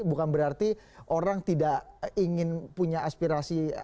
bukan berarti orang tidak ingin punya aspirasi